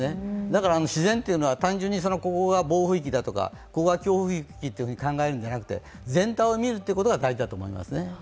だから自然というのは単純にここが暴風域だとかここが強風域と考えるのではなくて、全体を見ることが大事です。